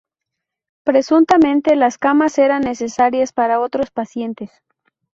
Presuntamente, las camas eran necesarias para otros pacientes.